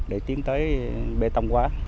để tiến tới bê tông quá